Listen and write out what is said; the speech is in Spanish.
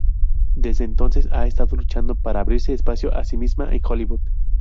Desde entonces, ha estado luchando para abrirse espacio a sí misma en Hollywood.